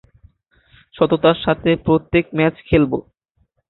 সততার সাথে প্রত্যেক ম্যাচ খেলবে।